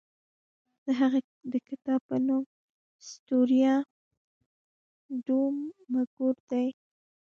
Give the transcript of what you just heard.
د هغه د کتاب نوم ستوریا ډو مګور دی.